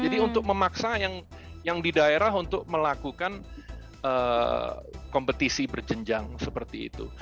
jadi untuk memaksa yang di daerah untuk melakukan kompetisi berjenjang seperti itu